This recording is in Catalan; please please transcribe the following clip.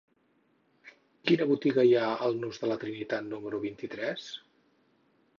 Quina botiga hi ha al nus de la Trinitat número vint-i-tres?